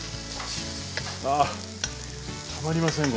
あたまりません